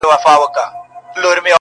دا سودا مي ومنه که ښه کوې,